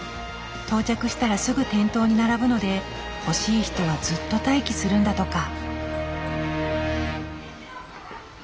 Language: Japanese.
到着したらすぐ店頭に並ぶので欲しい人はずっと待機するんだとか。